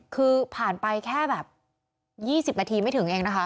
คือผ่านไปแค่แบบ๒๐นาทีไม่ถึงเองนะคะ